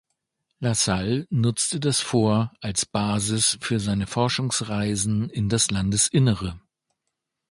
La Salle nutzte das Fort als Basis für seine Forschungsreisen in das Landesinnere.